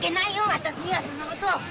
私にはそんなこと。